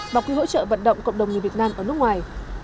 và quỹ hỗ trợ vận động cộng đồng người việt nam ở nước ngoài